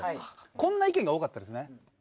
こんな意見が多かったですね。